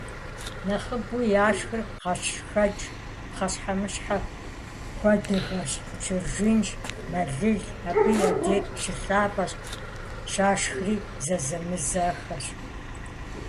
Нэхъыбэу яшхыр гъэшхэкӀ, пхъэщхьэмыщхьэ хуэдэхэрщ, чыржынщ, мэлылыр абы я дей щылъапӀэщ, щашхри зэзэмызэххэщ.